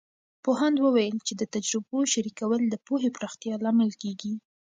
پوهاند وویل چې د تجربو شریکول د پوهې پراختیا لامل کیږي.